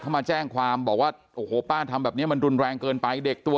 เขามาแจ้งความบอกว่าโอ้โหป้าทำแบบนี้มันรุนแรงเกินไปเด็กตัว